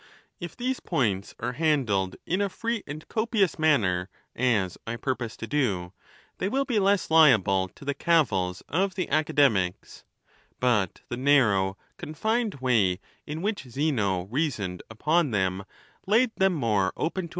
If these points are handled in a free and copious man ner, as I purpose to dp, they will be less liable to the cavils of the Academics; but the n arrow, confined way in which Zcno reasoned upon them laid them more open to THE NATURE OF THE GODS.